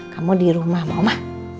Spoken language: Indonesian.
kamu di rumah sama oma